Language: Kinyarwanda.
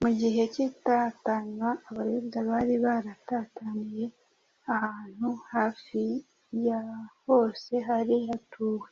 Mu gihe cy’ itatanywa, Abayuda bari baratataniye ahantu hafi ya hose hari hatuwe,